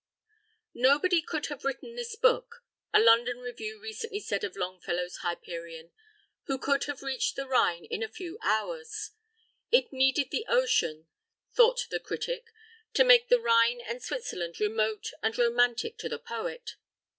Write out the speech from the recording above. Nobody could have written this book a London Review recently said of Longfellow's "Hyperion" who could have reached the Rhine in a few hours. It needed the ocean, thought the critic, to make the Rhine and Switzerland remote and romantic to the poet.